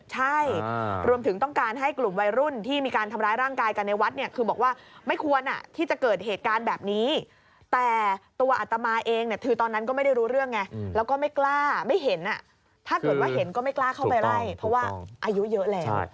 ใช่รวมถึงต้องการให้กลุ่มวัยรุ่นที่มีการทำร้ายร่างกายกันในวัดเนี่ยคือบอกว่าไม่ควรที่จะเกิดเหตุการณ์แบบนี้แต่ตัวอัตมาเองเนี่ยคือตอนนั้นก็ไม่ได้รู้เรื่องไงแล้วก็ไม่กล้าไม่เห็นถ้าเกิดว่าเห็นก็ไม่กล้าเข้าไปไล่เพราะว่าอายุเยอะแล้ว